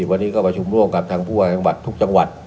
วันนี้ก็ประชุมร่วมกับทั้งผู้อาจารย์ทุกจังหวัด